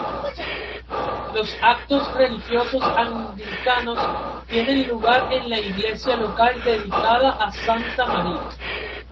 Los actos religiosos anglicanos, tienen lugar en la iglesia local dedicada a Santa María.